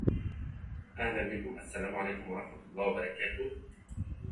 The occurrence of further terrorist attacks is suggested, but not directly stated.